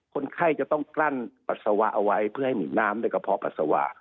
คนไข้จะต้องกลั้นปัสสาวะเอาไว้เพื่อให้น้ำในกระเพาะปัสสาวะ